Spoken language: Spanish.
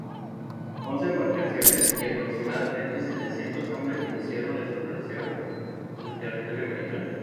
Once embarcaciones y aproximadamente setecientos hombres iniciaron la exploración.del territorio americano.